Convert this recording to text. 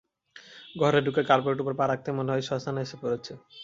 ঘরে ঢুকে কার্পেটের উপর পা রাখতেই মনে হয় শ্মশানে এসে পড়েছি।